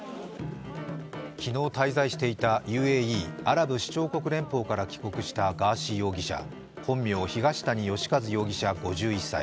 昨日、滞在していたＵＡＥ＝アラブ首長国連邦から帰国したガーシー容疑者、本名・東谷義和容疑者５１歳。